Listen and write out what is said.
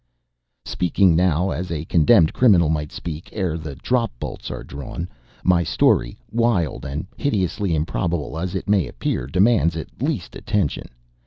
Speaking now as a condemned criminal might speak ere the drop bolts are drawn, my story, wild and hideously improbable as it may appear, demands at least attention.